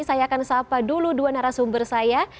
saya akan sapa dulu dua narasumber saya